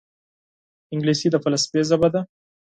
انګلیسي د فلسفې ژبه ده